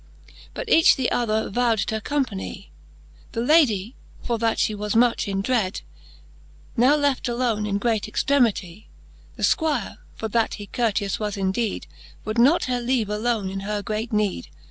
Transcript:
But each the other vow'd t' accompany; The Lady, for that fhe was much in dred, Now left alone in great extremity : The Squire, for that he courteous was indeed, Would not her leave alone in her great need.